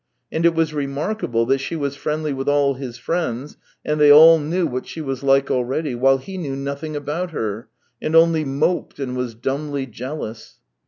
And it was remarkable that she was friendly with all his friends, and they all knew what she was like already, while he knew nothing about her, and only moped and was dumbly jealous.